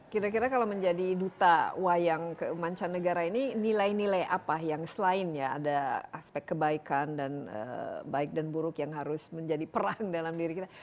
kira kira kalau menjadi duta wayang kemancanegara ini nilai nilai apa yang selain ya ada aspek kebaikan dan baik dan buruk yang harus menjadi perang dalam diri kita